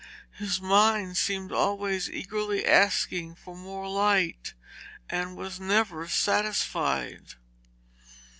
His mind seemed always eagerly asking for more light, and was never satisfied.